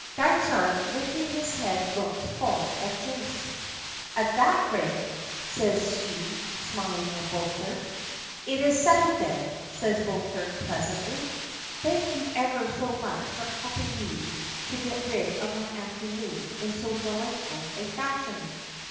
Dysart lifting his head looks full at Joyce. "At that rate " says she, smiling at Beauclerk. "It is settled then," says Beauclerk pleasantly. "Thank you ever so much for helping me to get rid of my afternoon in so delightful a fashion."